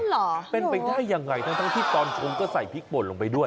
เหรอเป็นไปได้ยังไงทั้งที่ตอนชงก็ใส่พริกป่นลงไปด้วย